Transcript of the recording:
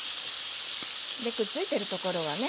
くっついてるところはね